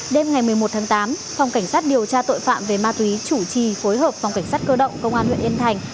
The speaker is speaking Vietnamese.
đêm ngày một mươi một tháng tám phòng cảnh sát điều tra tội phạm về ma túy chủ trì phối hợp phòng cảnh sát cơ động công an huyện yên thành